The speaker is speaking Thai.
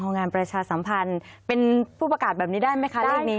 งานประชาสัมพันธ์เป็นผู้ประกาศแบบนี้ได้ไหมคะเลขนี้